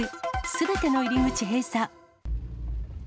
すべての入り口閉鎖。